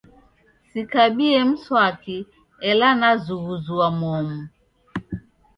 Sikabie mswaki ela nazughuzua momu.